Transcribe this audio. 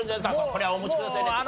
これはお持ちくださいねとか。